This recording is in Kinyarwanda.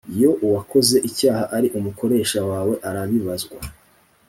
Iyo uwakoze icyaha ari umukoresha wawe arabibazwa